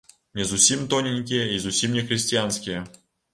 Не зусім тоненькія і зусім не хрысціянскія.